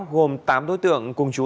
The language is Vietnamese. gồm tám đối tượng cùng chú